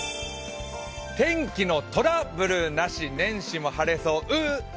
天気の寅ブルなし年始も晴れそ卯。